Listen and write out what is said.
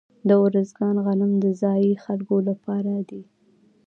د ارزګان غنم د ځايي خلکو لپاره دي.